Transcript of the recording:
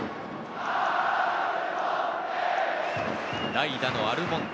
代打のアルモンテ。